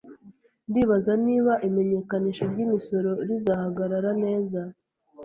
Ndibaza niba imenyekanisha ryimisoro rizahagarara neza